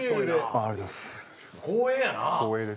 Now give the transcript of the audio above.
ありがとうございます。